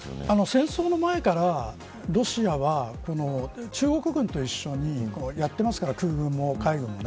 戦争前からロシアは中国軍と一緒にやってますから空軍も海軍も。